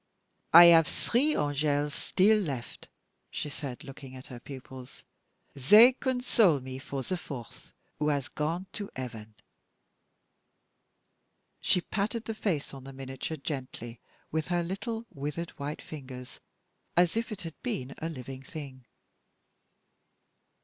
"I have three angels still left," she said, looking at her pupils. "They console me for the fourth, who has gone to heaven." She patted the face on the miniature gently with her little, withered, white fingers, as if it had been a living thing.